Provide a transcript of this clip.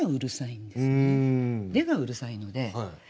「で」がうるさいので。